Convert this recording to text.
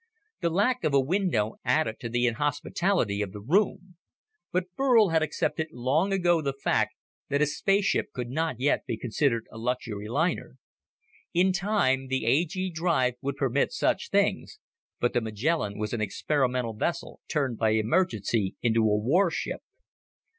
The lack of a window added to the inhospitality of the room. But Burl had accepted long ago the fact that a spaceship could not yet be considered a luxury liner. In time, the A G drive would permit such things, but the Magellan was an experimental vessel turned by emergency into a warship.